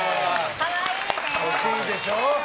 欲しいでしょ。